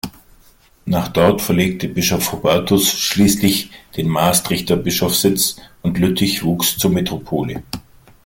Nach dort verlegte Bischof Hubertus schließlich den Maastrichter Bischofssitz und Lüttich wuchs zur Metropole.